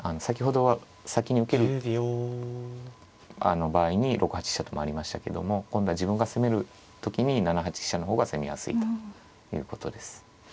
あの場合に６八飛車と回りましたけども今度は自分が攻める時に７八飛車の方が攻めやすいということです。